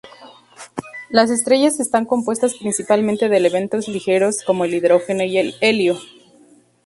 Las estrellas están compuestas principalmente de elementos ligeros como el hidrógeno y el helio.